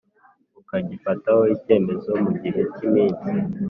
rukagifataho icyemezo mu gihe cy iminsi